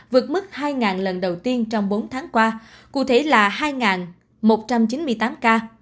vượt mức hai lần đầu tiên trong bốn tháng qua cụ thể là hai một trăm chín mươi tám ca